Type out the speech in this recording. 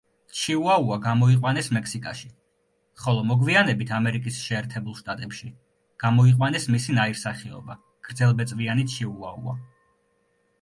ჩიუაუა გამოიყვანეს მექსიკაში, ხოლო მოგვიანებით ამერიკის შეერთებულ შტატებში გამოიყვანეს მისი ნაირსახეობა გრძელბეწვიანი ჩიუაუა.